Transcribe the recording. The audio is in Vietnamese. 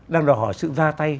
đang đòi hỏi sự ra tay